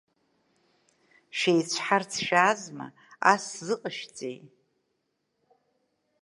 Шәеицәҳарц шәаазма, ас зыҟашәҵеи?